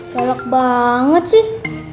lalak banget sih